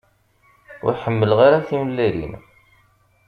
Ur ḥemmleɣ ara timellalin.